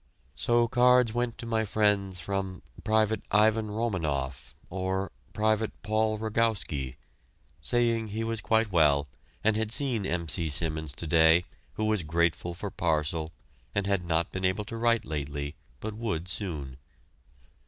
So cards went to my friends from "Pte. Ivan Romanoff" or "Pte. Paul Rogowski," saying he was quite well and had seen M. C. Simmons to day, who was grateful for parcel and had not been able to write lately, but would soon.